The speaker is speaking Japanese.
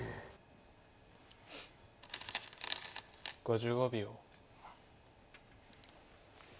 ５５秒。